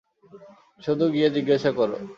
শুধু গিয়ে জিজ্ঞেস কর।